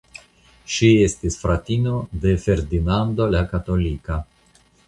Ŝi estis fratino de Ferdinando la Katolika.